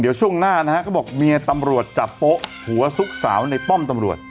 เดี๋ยวช่วงหน้านะฮะก็บอกเมียตำรวจจับโป๊ะผัวซุกสาวในป้อมตำรวจ